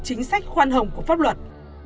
chính sách khoan hồng của pháp luật